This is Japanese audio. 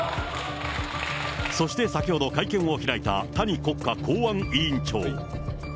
そして先ほど会見を開いた谷国家公安委員長。